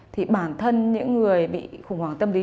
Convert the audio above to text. thì bản thân những người bị khủng hoảng tâm lý